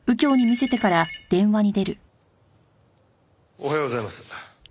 おはようございます。